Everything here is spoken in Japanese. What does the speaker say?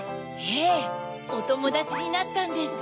ええおともだちになったんです。